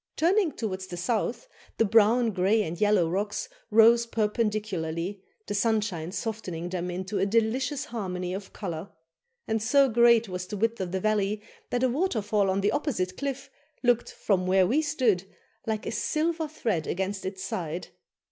Turning towards the south, the brown, grey, and yellow rocks rose perpendicularly, the sunshine softening them into a delicious harmony of colour; and so great was the width of the valley, that a waterfall on the opposite cliff looked, from where we stood, like a silver thread against its side.